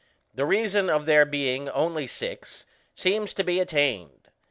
The reason of there being only six seems to be attained.